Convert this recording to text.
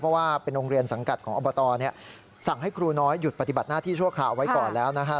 เพราะว่าเป็นโรงเรียนสังกัดของอบตสั่งให้ครูน้อยหยุดปฏิบัติหน้าที่ชั่วคราวไว้ก่อนแล้วนะฮะ